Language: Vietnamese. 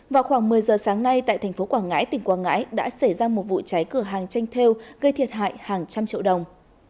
vào khoảng một mươi giờ sáng nay tại thành phố quảng ngãi tỉnh quảng ngãi đã xảy ra một vụ cháy cửa hàng tranh theo gây thiệt hại hàng trăm triệu đồng